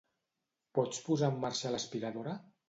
Pots posar en marxa l'aspiradora?